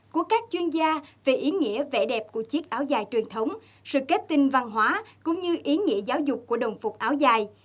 của các chuyên gia về ý nghĩa vẻ đẹp của chiếc áo dài truyền thống sự kết tinh văn hóa cũng như ý nghĩa giáo dục của đồng phục áo dài